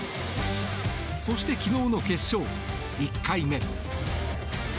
そして、昨日の決勝１回目。